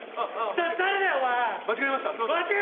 だ誰だよお前！